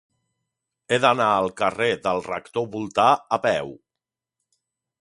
He d'anar al carrer del Rector Voltà a peu.